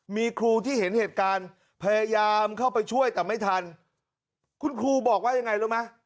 มีครูที่เห็นเหตุการณ์พยายามเข้าไปช่วยแต่ไม่ทันคุณครูบอกว่ายังไงรู้ไหม